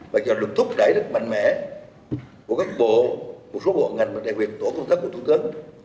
và cho lực thúc đẩy rất mạnh mẽ của các bộ một số bộ ngành và đại diện tổ công tác của thủ tướng